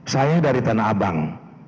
saya dari tanah abang